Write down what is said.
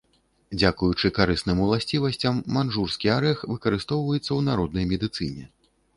Дзякуючы карысным уласцівасцям, маньчжурскі арэх выкарыстоўваецца ў народнай медыцыне.